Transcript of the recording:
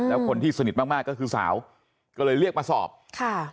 แล้วคนที่สนิทมากมากก็คือสาวก็เลยเรียกมาสอบค่ะ